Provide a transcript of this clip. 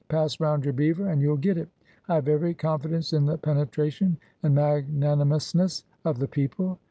Pass round your beaver, and you'll get it. I have every confidence in the penetration and magnanimousness of the people!